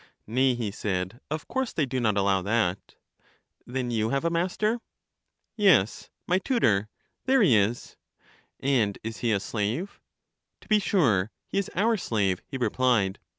Nay, he said ; of course they do not allow that. Then you have a master? Yes, my tutor ; there he is. And is he a slave? To be sure ; he is our slave, he replied.